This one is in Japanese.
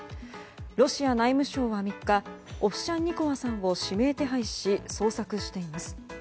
ロシア内務省は３日オフシャンニコワさんを指名手配し捜索しています。